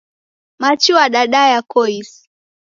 Machi wadadaya koisi.